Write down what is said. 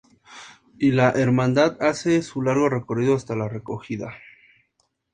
Y la hermandad hace su largo recorrido hasta la recogida.